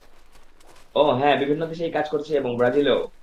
ওহ - হ্যাঁ বিভিন্ন দেশেই কাজ করছি এবং ব্রাজিলেও।